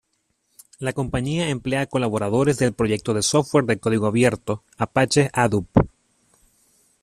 La compañía emplea colaboradores del proyecto de software de código abierto Apache Hadoop.